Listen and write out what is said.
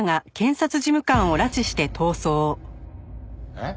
「」えっ？